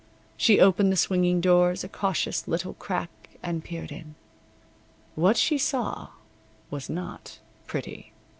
She opened the swinging doors a cautious little crack and peered in. What she saw was not pretty.